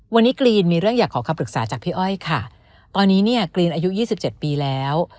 วันนี้กรีนมีเรื่องอยากขอคำปรึกษาจากพี่อ้อยค่ะตอนนี้เนี่ยกรีนอายุยี่สิบเจ็ดปีแล้ว